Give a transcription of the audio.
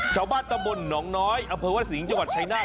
ชาวบ้านตะบลหนองน้อยอภิวัสนิงจังหวัดชายนาฬ